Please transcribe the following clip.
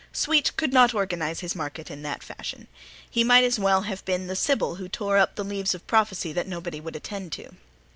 Sweet could not organize his market in that fashion. He might as well have been the Sybil who tore up the leaves of prophecy that nobody would attend to.